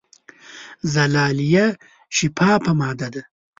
زلالیه شفافه ماده ده.